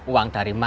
uang dari maipa